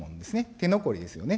手残りですよね。